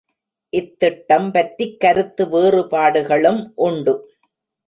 இத்திட்டம் பற்றிக் கருத்து வேறுபாடுகளும் உண்டு.